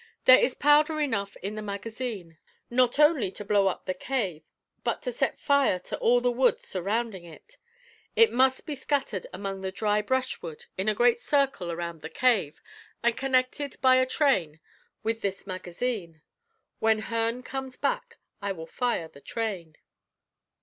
There is powder enough in the magazine, not only to blow up the cave, but to set fire to all the wood surrounding it. It must be scattered among the dry brush wood in a great circle round the cave, and connected by a train with this magazine. When Herne comes hack, I will fire the train."